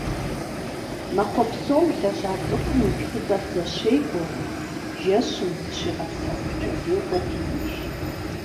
Махуэ псом лэжьа цӏыхум и тхыцӏэр зэщегуэри, жэщым, зыщигъэпсэхукӏэ, зеукъуэдииж.